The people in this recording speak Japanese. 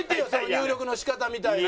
入力の仕方みたいな。